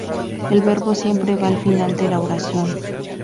El verbo siempre va al final de la oración.